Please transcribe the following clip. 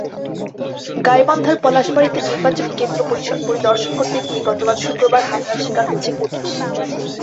গাইবান্ধার পলাশবাড়ীতে নির্বাচনী কেন্দ্র পরিদর্শন করতে গিয়ে গতকাল শুক্রবার হামলার শিকার হয়েছে পুলিশ।